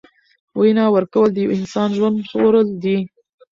وینه ورکول د یو انسان ژوند ژغورل دي.